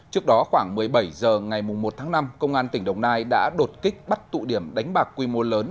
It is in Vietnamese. trước đó khoảng một mươi bảy h ngày một tháng năm công an tỉnh đồng nai đã đột kích bắt tụ điểm đánh bạc quy mô lớn